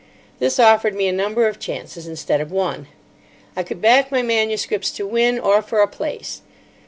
This offered me a number of chances instead of one. I could back my MSS. to win or for a place.